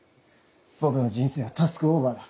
僕の人生はタスクオーバーだ。